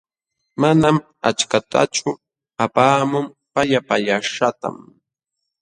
Manam achkatachu apaamun pallapaqllaśhqantam.